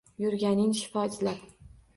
Yurganin shifo izlab.